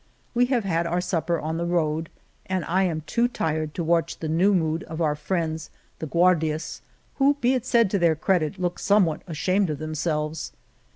We have had our supper on the road and I am too tired to watch the new mood of our friends, the Guardias, who be it said to their credit look somewhat ashamed of themselves.